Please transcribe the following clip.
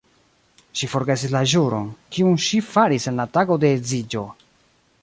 Ŝi forgesis la ĵuron, kiun ŝi faris en la tago de edziĝo!